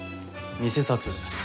偽札。